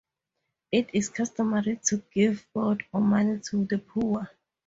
It is customary to give bread or money to the poor.